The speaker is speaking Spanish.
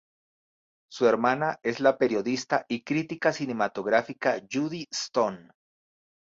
Su hermana es la periodista y crítica cinematográfica Judy Stone.